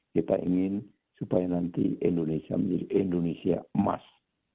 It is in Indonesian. kita ingin supaya nanti indonesia menjadi indonesia emas